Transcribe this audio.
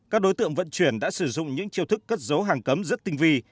các đối tượng vận chuyển đã sử dụng những chiêu thức cất dấu hàng cấm rất tinh vi